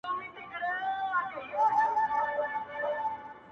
هغې ته دا حالت د ژوند تر ټولو دروند امتحان ښکاري,